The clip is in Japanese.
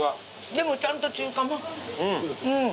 でもちゃんと中華まん。